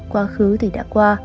quá khứ thì đã qua